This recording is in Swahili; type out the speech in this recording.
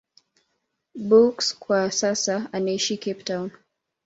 Beukes kwa sasa anaishi Cape Town.